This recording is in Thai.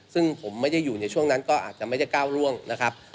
ซึ่งผมไม่ได้อยู่ในช่วงนั้นก็อาจจะไม่ได้ก้าวร่วงนะครับ